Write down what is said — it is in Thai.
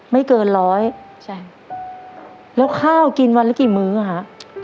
ไม่เกินร้อยใช่แล้วข้าวกินวันละกี่มื้อฮะ